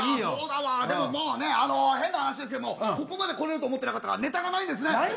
でも、もうね変な話ここまでこれると思ってなかったからネタがないですよね。